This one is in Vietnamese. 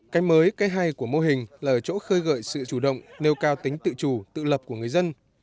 cái mới cái hay của mô hình là ở chỗ khơi gợi sự chủ động nêu cao tính tự chủ tự lập của người dân